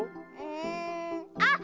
んあっ